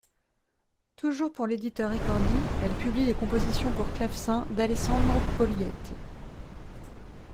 Toujours pour l'éditeur Ricordi, elle publie les compositions pour clavecin d'Alessandro Poglietti.